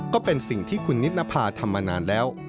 ก็เป็นสิ่งที่คุณนิตนภาทำมานานแล้ว